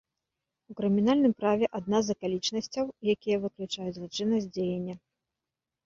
У крымінальным праве адна з акалічнасцяў, якія выключаюць злачыннасць дзеяння.